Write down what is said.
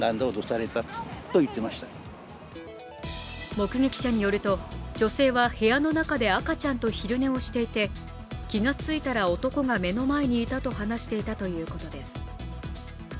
目撃者によると、女性は部屋の中で赤ちゃんと昼寝をしていて、気がついたら、男が目の前にいたと話していたということです。